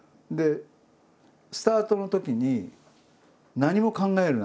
「スタートのときに何も考えるな」